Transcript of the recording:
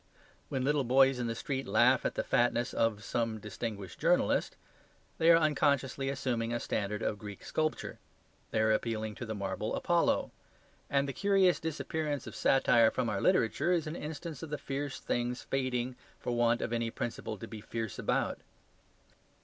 When little boys in the street laugh at the fatness of some distinguished journalist, they are unconsciously assuming a standard of Greek sculpture. They are appealing to the marble Apollo. And the curious disappearance of satire from our literature is an instance of the fierce things fading for want of any principle to be fierce about.